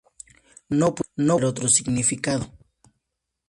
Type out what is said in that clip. No puede haber otro significado"".